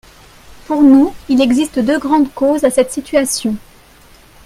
Pour nous, il existe deux grandes causes à cette situation.